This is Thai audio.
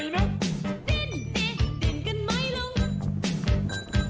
ดินดินดินกันไม่ลง